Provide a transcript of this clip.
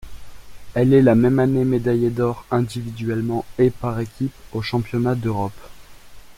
Elle est la même année médaillée d'or individuellement et par équipe aux Championnats d'Europe.